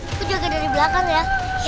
aku jaga dari belakang ya